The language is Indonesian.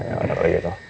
ya udah begitu